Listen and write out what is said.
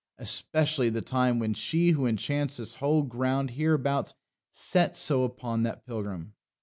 Especially the time when she who enchants this whole ground hereabouts set so upon that pilgrim.